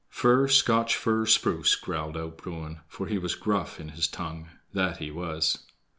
"FIR, SCOTCH FIR, SPRUCE," growled out Bruin, for he was gruff in his tongue, that he was.